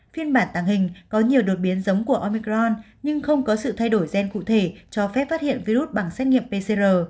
phiên bản tàng hình có nhiều đột biến giống của omicron nhưng không có sự thay đổi gen cụ thể cho phép phát hiện virus bằng xét nghiệm pcr